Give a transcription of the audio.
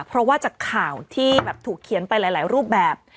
เพราะว่าจากข่าวที่แบบถูกเขียนไปหลายรูปแบบ